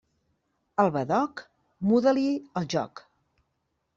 Al badoc, muda-li el joc.